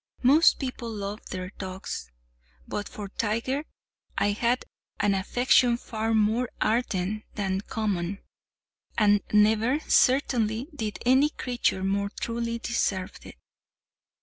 Most people love their dogs—but for Tiger I had an affection far more ardent than common; and never, certainly, did any creature more truly deserve it.